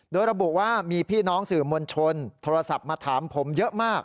โดยระบุว่ามีพี่น้องสื่อมวลชนโทรศัพท์มาถามผมเยอะมาก